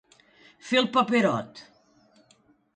Fer el paperot.